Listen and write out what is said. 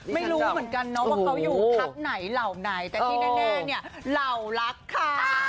ไม่รู้เหมือนกันเนาะว่าเขาอยู่พักไหนเหล่าไหนแต่ที่แน่เนี่ยเหล่ารักค่ะ